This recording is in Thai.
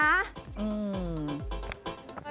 อืม